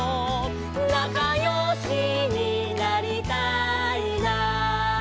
「なかよしになりたいな」